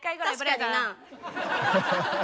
確かにな。